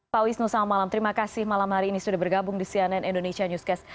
pak wisnu selamat malam terima kasih malam hari ini sudah bergabung di cnn indonesia newscast